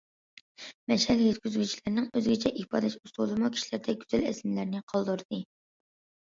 مەشئەل يەتكۈزگۈچىلەرنىڭ ئۆزگىچە ئىپادىلەش ئۇسۇلىمۇ كىشىلەردە گۈزەل ئەسلىمىلەرنى قالدۇردى.